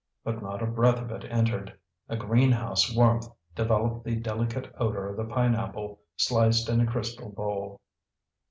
But not a breath of it entered; a green house warmth developed the delicate odour of the pineapple, sliced in a crystal bowl.